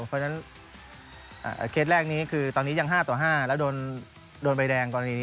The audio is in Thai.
เพราะฉะนั้นเคสแรกนี้คือตอนนี้ยัง๕ต่อ๕แล้วโดนใบแดงกรณี